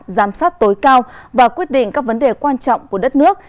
giám sát tối cao và quyết định các vấn đề quan trọng của đất nước